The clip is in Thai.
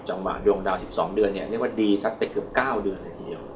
จังหวะดวงดาว๑๒เดือนนี้เรียกว่าดีสักแต่เกิด๙เดือนในทีเดียว